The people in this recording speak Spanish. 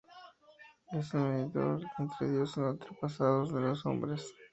Es el mediador entre Dios y los antepasados de los hombres.